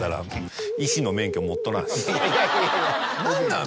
何なん？